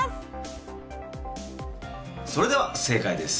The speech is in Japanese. それでは正解です。